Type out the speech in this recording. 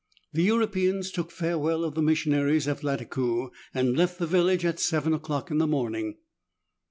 The Europeans took farewell of the missionaries at Lattakoo, and left the village at seven o'clock in the morning.